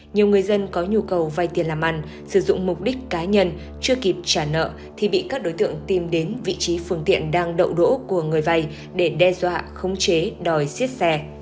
nhiều người dân có nhu cầu vay tiền làm ăn sử dụng mục đích cá nhân chưa kịp trả nợ thì bị các đối tượng tìm đến vị trí phương tiện đang đậu đỗ của người vay để đe dọa khống chế đòi xiết xe